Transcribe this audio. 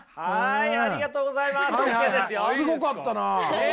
すごかったなあ！